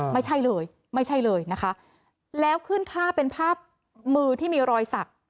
ไม่ใช่เลยไม่ใช่เลยนะคะแล้วขึ้นภาพเป็นภาพมือที่มีรอยสัก